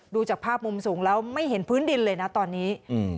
ดูจากภาพมุมสูงแล้วไม่เห็นพื้นดินเลยนะตอนนี้